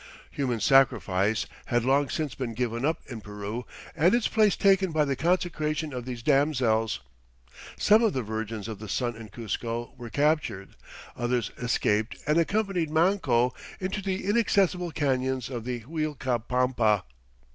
Human sacrifice had long since been given up in Peru and its place taken by the consecration of these damsels. Some of the Virgins of the Sun in Cuzco were captured. Others escaped and accompanied Manco into the inaccessible canyons of Uilcapampa.